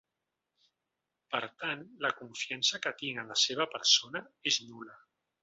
Per tant, la confiança que tinc en la seva persona és nul·la.